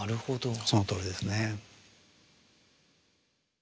そのとおりですね。